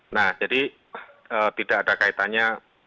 nah jadi tidak ada kaitannya